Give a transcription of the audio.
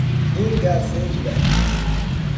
Ingazeira